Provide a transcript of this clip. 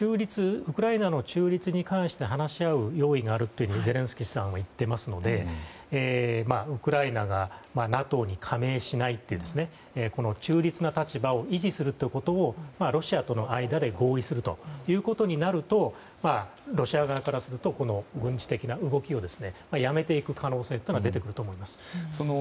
ウクライナの中立に関して話し合う用意があるとゼレンスキーさんは言っていますので、ウクライナがＮＡＴＯに加盟しないという中立な立場を維持するということをロシアとの間で合意するということになるとロシア側からするとこの軍事的な動きをやめていく可能性も出てくると思います。